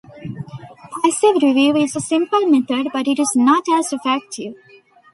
Passive review is a simple method but it is not as effective.